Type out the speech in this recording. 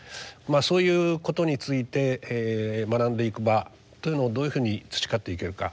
そういうことについて学んでいく場というのをどういうふうに培っていけるか。